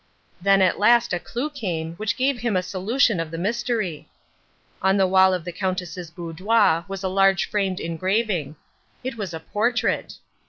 Then at last a clue came which gave him a solution of the mystery. On the wall of the Countess's boudoir was a large framed engraving. It was a portrait.